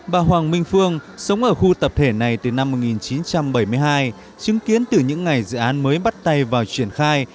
bà hoàng minh phương sống ở khu tập thể này từ năm một nghìn chín trăm bảy mươi hai chứng kiến từ những ngày dự án mới bắt tay vào triển khai